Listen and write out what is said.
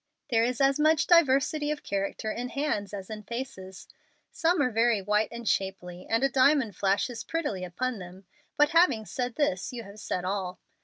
There is as much diversity of character in hands as in faces. Some are very white and shapely, and a diamond flashes prettily upon them, but having said this you have said all.